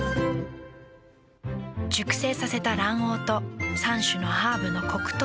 熟成させた卵黄と３種のハーブのコクとうま味。